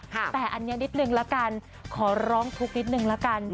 แต่อันนี้นิดนึงละกันขอร้องทุกข์นิดนึงละกัน